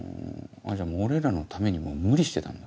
じゃ俺らのためにも無理してたんだ？